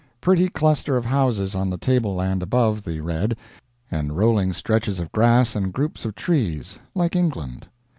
Pretty cluster of houses on the tableland above the red and rolling stretches of grass and groups of trees, like England.